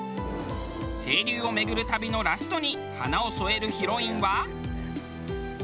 清流を巡る旅のラストに花を添えるヒロインは。